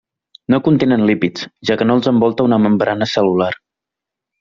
No contenen lípids, ja que no els envolta una membrana cel·lular.